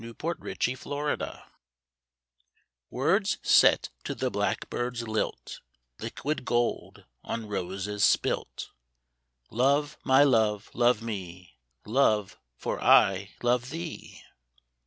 Wbat Ibe Stitts W ORDS set to the blackbird's lilt, Liquid gold on roses spilt. " Love, my love, love me, Love, for I love thee